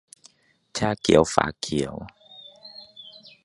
'ชาเขียวฝาเขียว